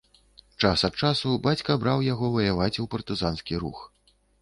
Час ад часу бацька браў яго ваяваць у партызанскі рух.